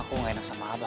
aku gak enak sama aba